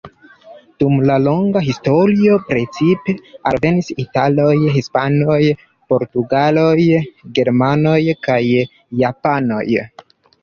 Dum la longa historio precipe alvenis italoj, hispanoj, portugaloj, germanoj kaj japanoj.